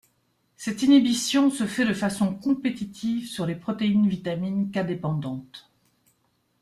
Cette inhibition se fait de façon compétitive sur les protéines vitamine K-dépendantes.